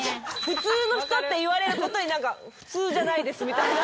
普通の人って言われることに普通じゃないですみたいな。